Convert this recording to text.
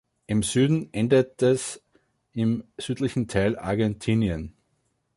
Im Süden endet es im südlichen Teil Argentinien.